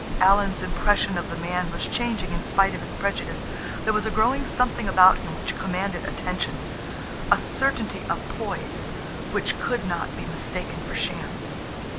Alan's impression of the man was changing in spite of his prejudice. There was a growing something about him which commanded attention, a certainty of poise which could not be mistaken for sham.